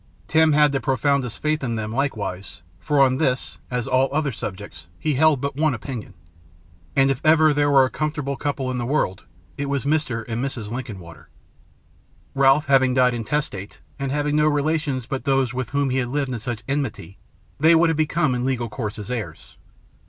Tim had the profoundest faith in them, likewise; for on this, as on all other subjects, they held but one opinion; and if ever there were a 'comfortable couple' in the world, it was Mr. and Mrs. Linkinwater. Ralph, having died intestate, and having no relations but those with whom he had lived in such enmity, they would have become in legal course his heirs.